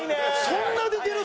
そんな出てる？